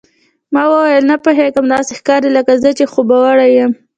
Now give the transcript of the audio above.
ما وویل، نه پوهېږم، داسې ښکاري لکه زه چې خوبوړی یم.